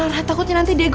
jadi kamu istirahat aja dulu